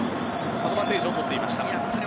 アドバンテージをとっていました。